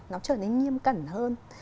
nó trở nên nghiêm cẩn hơn